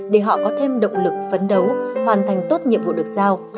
để họ có thêm động lực phấn đấu hoàn thành tốt nhiệm vụ được giao